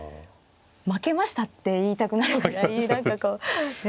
負けましたって言いたくなるぐらい何かこうね。